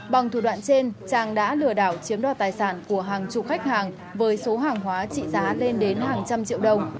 bằng thủ đoạn trên trang đã lừa đảo chiếm đoạt tài sản của hàng chục khách hàng với số hàng hóa trị giá lên đến hàng trăm triệu đồng